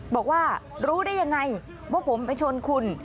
บอกว่ารู้ได้ยังไงว่าผมไปชนคุณ